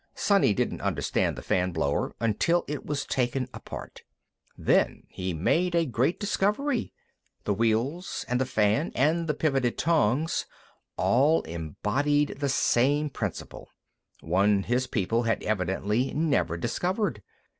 Sonny didn't understand the fan blower until it was taken apart. Then he made a great discovery. The wheels, and the fan, and the pivoted tongs, all embodied the same principle, one his people had evidently never discovered.